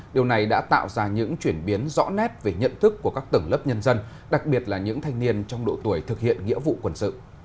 điều này đã tạo ra những chuyển biến rõ nét về nhận thức của các tầng lớp nhân dân đặc biệt là những thanh niên trong độ tuổi thực hiện nghĩa vụ quân sự